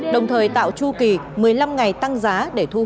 đồng thời tạo chu kỳ một mươi năm ngày tăng giá để thu